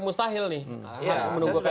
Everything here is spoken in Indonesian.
mustahil nih menunggu kj ibang